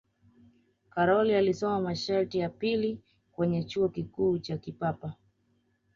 karol alisoma shahada ya pili kwenye chuo kikuu cha kipapa